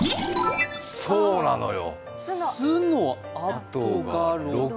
そうなのよ。